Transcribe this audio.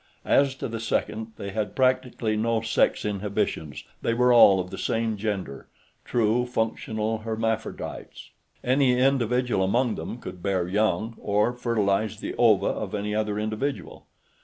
As to the second, they had practically no sex inhibitions; they were all of the same gender, true, functional, hermaphrodites. Any individual among them could bear young, or fertilize the ova of any other individual.